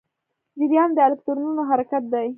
جریان د الکترونونو حرکت دی.